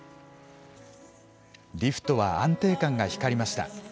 リフトは安定感が光りました。